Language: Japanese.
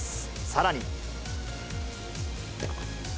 さらに。